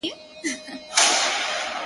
اول درباندې همدا بیچاره غریب پښې ږدي